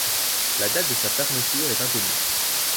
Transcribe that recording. La date de sa fermeture est inconnue.